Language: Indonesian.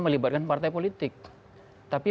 melibatkan partai politik tapi